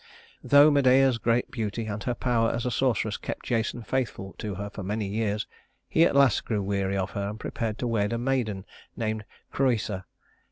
Though Medea's great beauty and her power as a sorceress kept Jason faithful to her for many years, he at last grew weary of her and prepared to wed a maiden named Creusa.